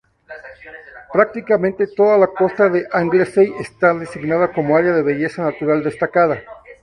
Prácticamente toda la costa de Anglesey está designada como Área de Belleza Natural Destacada.